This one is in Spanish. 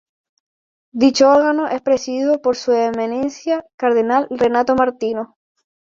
Dicho órgano es presidido por Su Eminencia Cardenal Renato Martino.